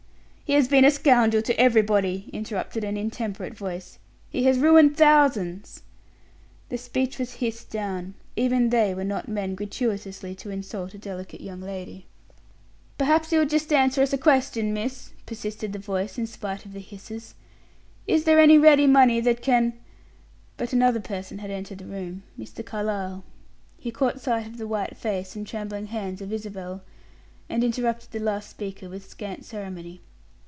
"He has been a scoundrel to everybody," interrupted an intemperate voice; "he has ruined thousands." The speech was hissed down; even they were not men gratuitously to insult a delicate young lady. "Perhaps you'll just answer us a question, miss," persisted the voice, in spite of the hisses. "Is there any ready money that can " But another person had entered the room Mr. Carlyle. He caught sight of the white face and trembling hands of Isabel, and interrupted the last speaker with scant ceremony.